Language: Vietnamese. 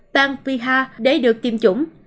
bàn piha để được tiêm chủng